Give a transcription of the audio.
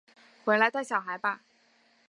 回来带小孩吧